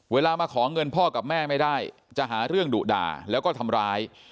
เวลามาขอเงินพ่อกับแม่ไม่ได้จะหาเรื่องดุด่าแล้วก็ทำร้าย